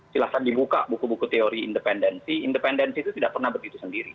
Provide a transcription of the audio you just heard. silahkan dibuka buku buku teori independensi independensi itu tidak pernah begitu sendiri